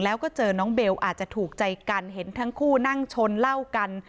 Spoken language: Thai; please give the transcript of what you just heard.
แล้วก็เจอน้องเบลอาจจะถูกใจกันเห็นทั้งคู่นั่งชนเหล้ากัน